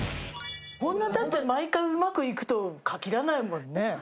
こんなだって毎回うまくいくとは限らないもんね。